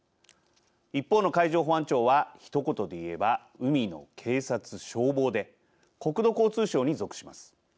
一方の海上保安庁はひと言で言えば海の警察・消防で国土交通省に属します。